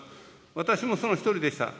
私もその１人でした。